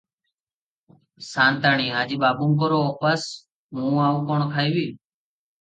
ସା’ନ୍ତାଣୀ – ଆଜି ବାବୁଙ୍କର ଓପାସ, ମୁଁ ଆଉ କ’ଣ ଖାଇବି?